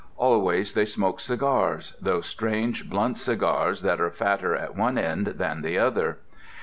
Always they smoke cigars, those strange, blunt cigars that are fatter at one end than at the other.